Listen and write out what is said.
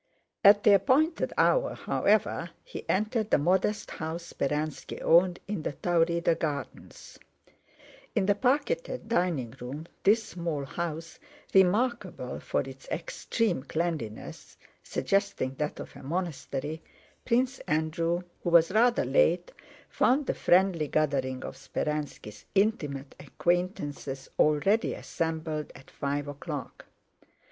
At the appointed hour, however, he entered the modest house Speránski owned in the Taurida Gardens. In the parqueted dining room of this small house, remarkable for its extreme cleanliness (suggesting that of a monastery), Prince Andrew, who was rather late, found the friendly gathering of Speránski's intimate acquaintances already assembled at five o'clock.